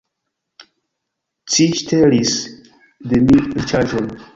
Ci ŝtelis de mi riĉaĵon!